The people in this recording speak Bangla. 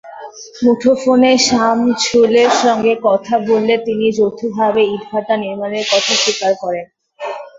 মুঠোফোনে সামছুলের সঙ্গে কথা বললে তিনি যৌথভাবে ইটভাটা নির্মাণের কথা স্বীকার করেন।